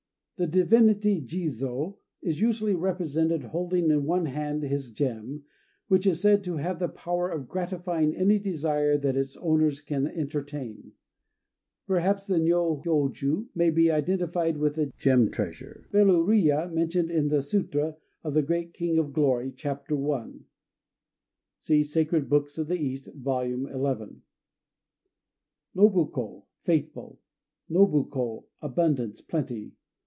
The divinity Jizô is usually represented holding in one hand this gem, which is said to have the power of gratifying any desire that its owner can entertain. Perhaps the Nyoihôju may be identified with the Gem Treasure Veluriya, mentioned in the Sûtra of The Great King of Glory, chapter i. (See Sacred Books of the East, vol. xi.) Nobu ko "Faithful." Nobu ko "Abundance," plenty.